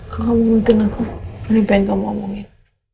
gak mau nguletin aku gue pengen kamu omongin